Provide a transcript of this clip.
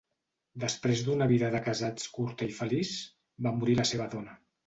Després d'una vida de casats curta i feliç, va morir la seva dona.